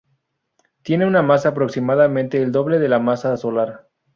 Tiene una masa aproximadamente el doble de la masa solar.